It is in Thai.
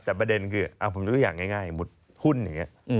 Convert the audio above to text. แต่ประเด็นคือผมยกตัวอย่างง่ายหมุดหุ้นอย่างนี้